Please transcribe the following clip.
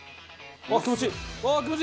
ああ気持ちいい！